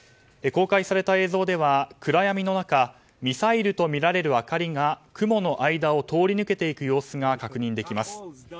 公開された映像では暗闇の中ミサイルとみられる明かりが雲の間を通り抜けていく様子が確認できます。